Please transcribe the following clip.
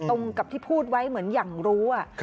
ตรงกับที่พูดไว้เหมือนอย่างรู้